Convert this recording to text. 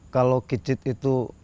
kalau kicit itu